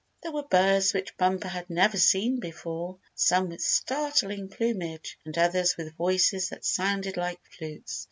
There were birds which Bumper had never seen before, some with startling plumage, and others with voices that sounded like flutes.